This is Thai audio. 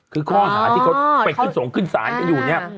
คือข้อหาที่เขาไปขึ้นส่งขึ้นศาลกันอยู่เนี่ย